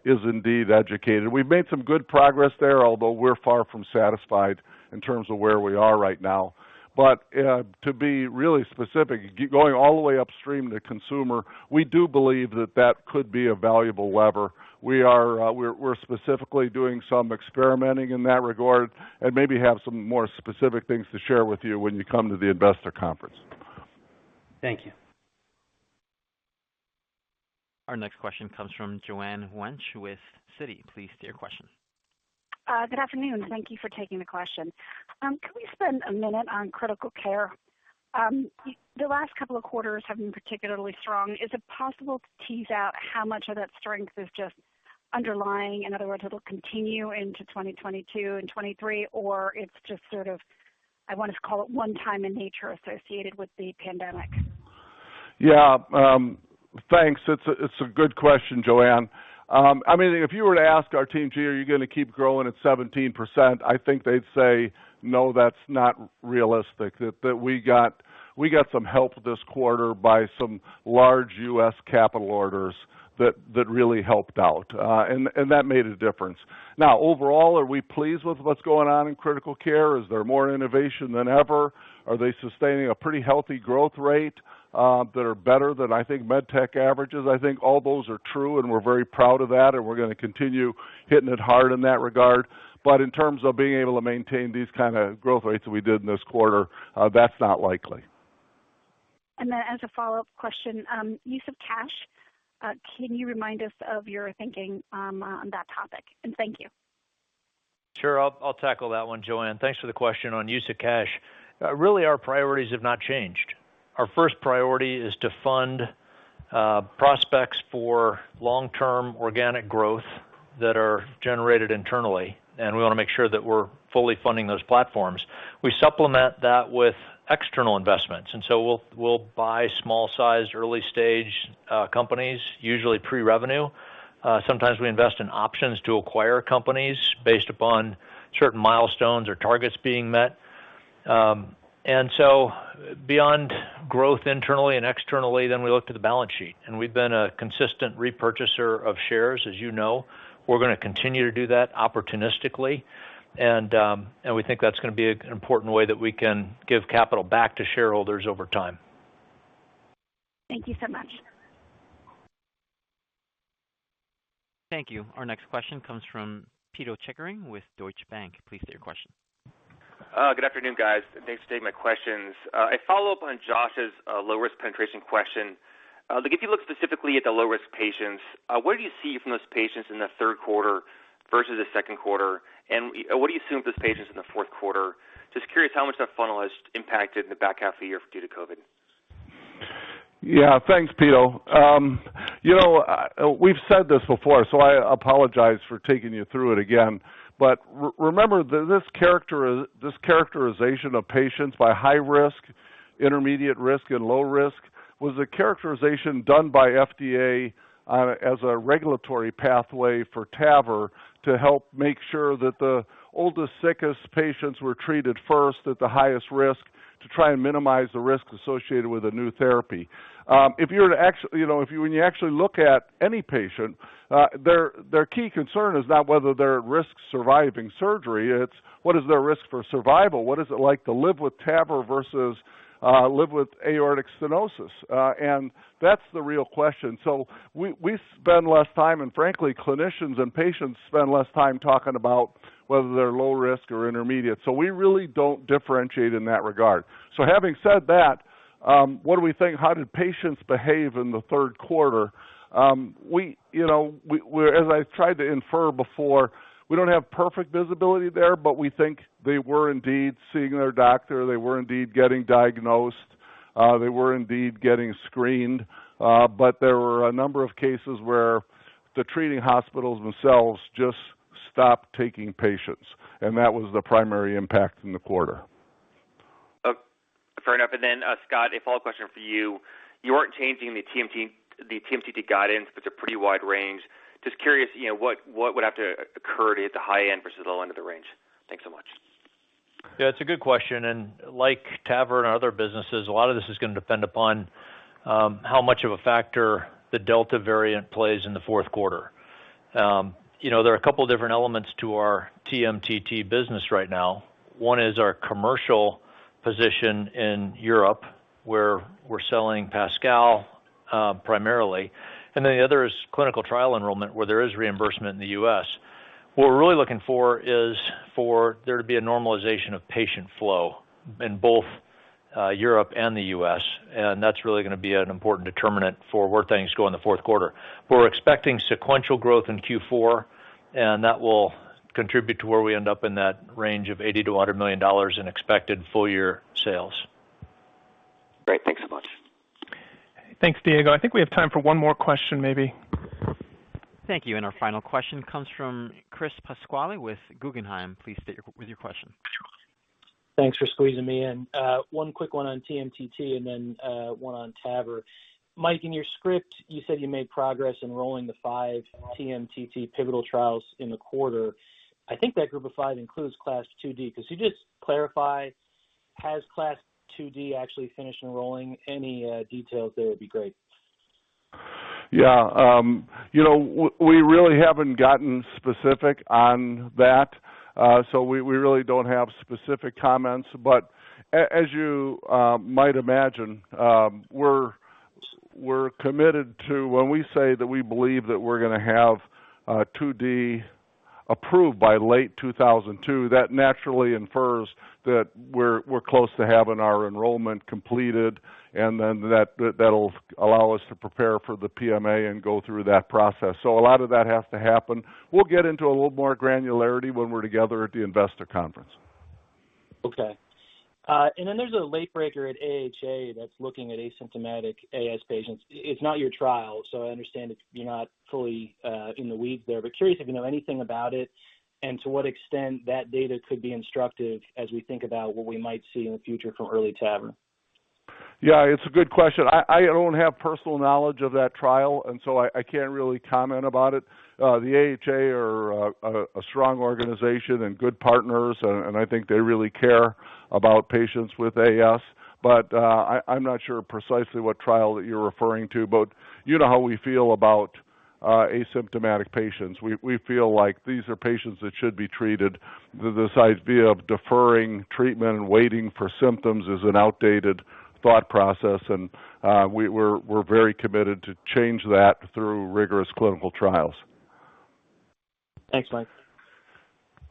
is indeed educated. We've made some good progress there, although we're far from satisfied in terms of where we are right now. To be really specific, going all the way upstream to consumer, we do believe that that could be a valuable lever. We're specifically doing some experimenting in that regard and maybe have some more specific things to share with you when you come to the investor conference. Thank you. Our next question comes from Joanne Wuensch with Citi. Please state your question. Good afternoon. Thank you for taking the question. Can we spend a minute on critical care? The last couple of quarters have been particularly strong. Is it possible to tease out how much of that strength is just underlying, in other words, it'll continue into 2022 and 2023, or it's just, I want to call it one-time in nature associated with the pandemic? Yeah. Thanks. It's a good question, Joanne. I mean, if you were to ask our team, "Gee, are you going to keep growing at 17%?" I think they'd say, "No, that's not realistic." That we got some help this quarter by some large U.S. capital orders that really helped out. That made a difference. Now, overall, are we pleased with what's going on in critical care? Is there more innovation than ever? Are they sustaining a pretty healthy growth rate that are better than, I think, med tech averages? I think all those are true, and we're very proud of that, and we're going to continue hitting it hard in that regard. In terms of being able to maintain these growth rates that we did in this quarter, that's not likely. As a follow-up question, use of cash, can you remind us of your thinking, on that topic? Thank you. Sure. I'll tackle that one, Joanne. Thanks for the question on use of cash. Really our priorities have not changed. Our first priority is to fund prospects for long-term organic growth that are generated internally, and we want to make sure that we're fully funding those platforms. We supplement that with external investments, and so we'll buy small-sized early stage companies, usually pre-revenue. Sometimes we invest in options to acquire companies based upon certain milestones or targets being met. Beyond growth internally and externally, then we look to the balance sheet, and we've been a consistent of shares, as you know. We're going to continue to do that opportunistically. We think that's going to be an important way that we can give capital back to shareholders over time. Thank you so much. Thank you. Our next question comes from P.J. Solomon with Deutsche Bank. Please state your question. Good afternoon, guys. Thanks for taking my questions. A follow-up on Josh's low risk penetration question. Like, if you look specifically at the low risk patients, what do you see from those patients in the Q3 versus the Q2? What do you assume this pace is in the Q4? Just curious how much that funnel has impacted in the back half of the year due to COVID. Yeah. Thanks, Peter. You know, we've said this before, so I apologize for taking you through it again. Remember this characterization of patients by high risk, intermediate risk, and low risk was a characterization done by FDA as a regulatory pathway for TAVR to help make sure that the oldest, sickest patients were treated first at the highest risk to try and minimize the risk associated with a new therapy. If you were to—when you actually look at any patient, their key concern is not whether they're at risk surviving surgery, it's what is their risk for survival? What is it like to live with TAVR versus live with aortic stenosis? That's the real question. We spend less time, and frankly, clinicians and patients spend less time talking about whether they're low risk or intermediate. We really don't differentiate in that regard. Having said that, what do we think? How did patients behave in the Q3? We, you know, as I tried to infer before, we don't have perfect visibility there, but we think they were indeed seeing their doctor, they were indeed getting diagnosed, they were indeed getting screened. There were a number of cases where the treating hospitals themselves just stopped taking patients, and that was the primary impact in the quarter. Fair enough. Then, Scott, a follow-up question for you. You aren't changing the TMTT guidance, it's a pretty wide range. Just curious, you know, what would have to occur to hit the high end versus the low end of the range? Thanks so much. Yeah, it's a good question. Like TAVR and our other businesses, a lot of this is going to depend upon how much of a factor the Delta variant plays in the Q4. You know, there are a couple different elements to our TMTT business right now. One is our commercial position in Europe, where we're selling PASCAL primarily. Then the other is clinical trial enrollment, where there is reimbursement in the U.S. What we're really looking for is for there to be a normalization of patient flow in both Europe and the U.S., and that's really going to be an important determinant for where things go in the Q4. We're expecting sequential growth in Q4, and that will contribute to where we end up in that range of $80 million-$100 million in expected full year sales. Great. Thanks so much. Thanks, Diego. I think we have time for one more question, maybe. Thank you. Our final question comes from Chris Pasquale with Guggenheim. Please state your question. Thanks for squeezing me in. One quick one on TMTT and then, one on TAVR. Mike, in your script, you said you made progress enrolling the five TMTT pivotal trials in the quarter. I think that group of five includes CLASP II D. Could you just clarify, has CLASP II D actually finished enrolling? Any, details there would be great. Yeah. You know, we really haven't gotten specific on that. So we really don't have specific comments. As you might imagine, we're committed to when we say that we believe that we're going to have CLASP II D approved by late 2002, that naturally infers that we're close to having our enrollment completed, and then that'll allow us to prepare for the PMA and go through that process. So a lot of that has to happen. We'll get into a little more granularity when we're together at the investor conference. Okay. There's a late breaker at AHA that's looking at asymptomatic AS patients. It's not your trial, so I understand you're not fully in the weeds there. Curious if you know anything about it and to what extent that data could be instructive as we think about what we might see in the future from Early TAVR. Yeah, it's a good question. I don't have personal knowledge of that trial, and so I can't really comment about it. The AHA are a strong organization and good partners, and I think they really care about patients with AS. I’m not sure precisely what trial that you're referring to, but you know how we feel about asymptomatic patients. We feel like these are patients that should be treated. This idea of deferring treatment and waiting for symptoms is an outdated thought process. We’re very committed to change that through rigorous clinical trials. Thanks, Mike.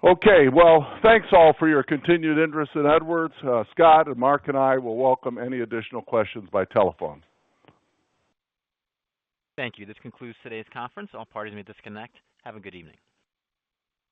Okay. Well, thanks all for your continued interest in Edwards. Scott, and Mark, and I will welcome any additional questions by telephone. Thank you. This concludes today's conference. All parties may disconnect. Have a good evening.